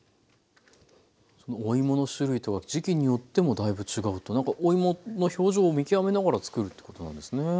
そのおいもの種類とか時期によってもだいぶ違うとなんかおいもの表情を見極めながらつくるということなんですね。